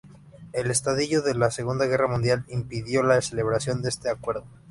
El estallido de la Segunda Guerra Mundial impidió la celebración de este acuerdo.